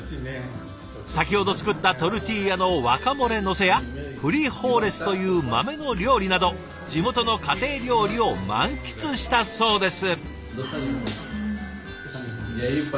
先ほど作ったトルティーヤのワカモレのせやフリホーレスという豆の料理など地元の家庭料理を満喫したそうです。